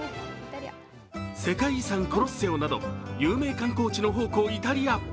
世界遺産コロッセオなど有名観光地の宝庫・イタリア。